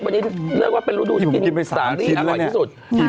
วันนี้เลือกว่าเป็นรูดูที่กินสาวนี้อร่อยที่สุดนี่ผมกินไป๓ชิ้นแล้วเนี่ย